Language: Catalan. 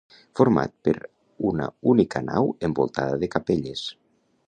Format per una única nau envoltada de capelles.